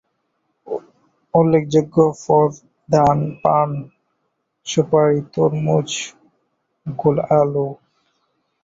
উল্লেখযোগ্য ফসল ধান, পান, সুপারি, তরমুজ, গোল আলু।